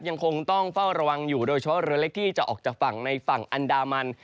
ยังคงต้องเฝ้าระวังอยู่โดยเฉพาะเรือเล็กที่จะออกจากฝั่งในฝั่งอันดามัน